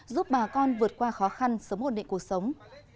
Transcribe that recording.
giúp bà con vượt qua khó khăn sống hồn định cuộc sống